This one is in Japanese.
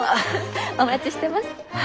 お待ちしてます。